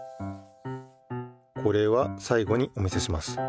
これはさい後にお見せします。